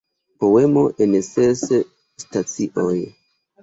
Poemo en ses stacioj.